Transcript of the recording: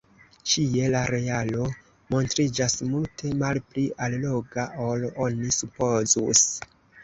Ĉie la realo montriĝas multe malpli alloga, ol oni supozus.